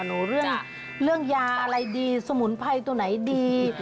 เรื่องยาอะไรดีสมุนไพรตัวไหนดี